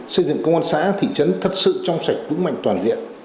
xây dựng công an xã thị trấn thật sự trong sạch vững mạnh toàn diện